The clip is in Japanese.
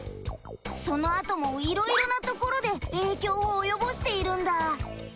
そのあともいろいろなところで影響を及ぼしているんだ。